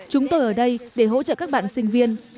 chúng tôi ở đây để hỗ trợ các bạn sinh viên